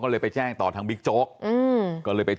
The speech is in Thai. หกสิบล้านหกสิบล้านหกสิบล้านหกสิบล้าน